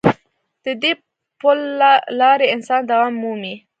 د دې پل له لارې انسان دوام مومي.